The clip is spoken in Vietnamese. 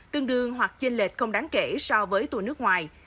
tương đương hoặc trên lệch không đáng kể so với tour nước ngoài